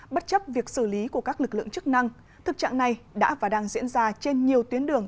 bất chấp việc xử lý của các lực lượng chức năng thực trạng này đã và đang diễn ra trên nhiều tuyến đường